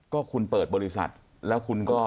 ก็คุณเปิดบริษัทแล้วคุณก็